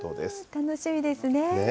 楽しみですね。